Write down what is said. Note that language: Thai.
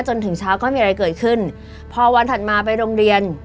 จนถึงเช้าก็มีอะไรเกิดขึ้นพอวันถัดมาไปโรงเรียน